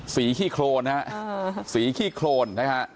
ขี้โครนนะฮะสีขี้โครนนะฮะ